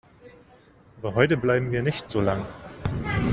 Aber heute bleiben wir nicht so lang.